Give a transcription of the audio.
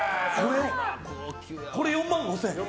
これ、４万５０００？